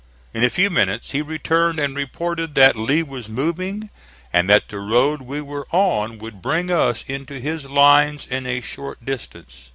In a few minutes he returned and reported that Lee was moving, and that the road we were on would bring us into his lines in a short distance.